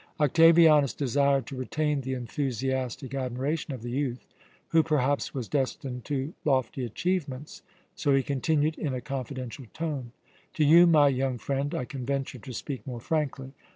Octavianus desired to retain the enthusiastic admiration of the youth, who perhaps was destined to lofty achievements, so he continued in a confidential tone: "To you, my young friend, I can venture to speak more frankly.